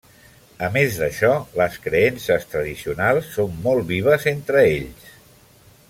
A més d'això, les creences tradicionals són molt vives entre ells.